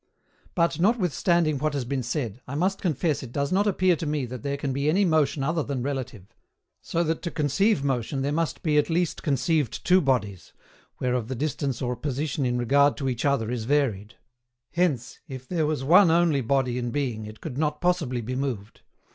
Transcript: But, notwithstanding what has been said, I must confess it does not appear to me that there can be any motion other than relative; so that to conceive motion there must be at least conceived two bodies, whereof the distance or position in regard to each other is varied. Hence, if there was one only body in being it could not possibly be moved.